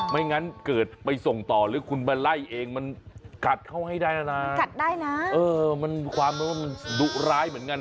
ไม่งั้นเกิดไปส่งต่อหรือคุณไปไล่เองมันกัดเข้าให้ได้แล้วนะ